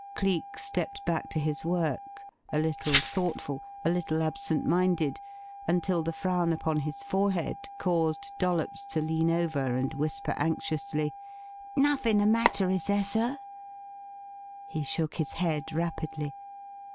Cleek stepped back to his work a little thoughtful, a little absent minded, until the frown upon his forehead caused Dollops to lean over and whisper anxiously, "Nothin' the matter, is there, sir?" He shook his head rapidly.